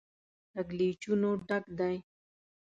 کږلېچونو ډک دی.